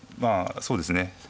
そうですね。